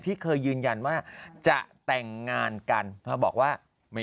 ที่เคยยืนยันว่าจะแต่งงานกันมาบอกว่าไม่